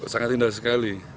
sangat indah sekali